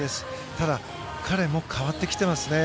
ただ、彼も変わってきてますね。